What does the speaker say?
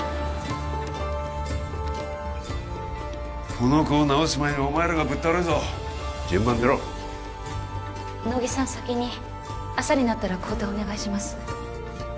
この子を治す前にお前らがぶっ倒れるぞ順番に寝ろ乃木さん先に朝になったら交代お願いします